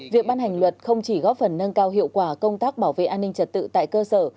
việc ban hành luật không chỉ góp phần nâng cao hiệu quả công tác bảo vệ an ninh trật tự tại cơ sở